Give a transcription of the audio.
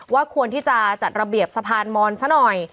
ควรที่จะจัดระเบียบสะพานมอนซะหน่อย